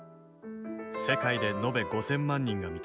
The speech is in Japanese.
世界で延べ５，０００万人が見た。